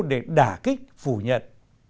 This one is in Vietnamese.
để đả kích phù nhận